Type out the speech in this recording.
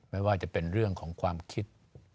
ไม่ว่าจะเป็นเรื่องของความคิด